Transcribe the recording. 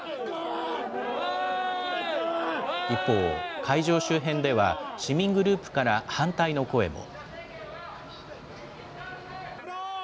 一方、会場周辺では市民グループから反対の声も。